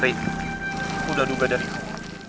rik aku udah duga dari kamu